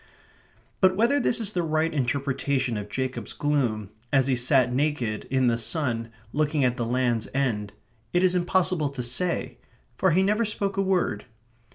But whether this is the right interpretation of Jacob's gloom as he sat naked, in the sun, looking at the Land's End, it is impossible to say; for he never spoke a word.